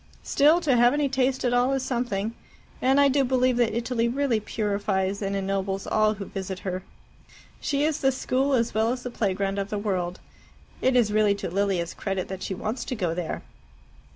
Still, to have any taste at all is something. And I do believe that Italy really purifies and ennobles all who visit her. She is the school as well as the playground of the world. It is really to Lilia's credit that she wants to go there."